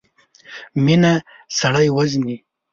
مينه سړی وژني.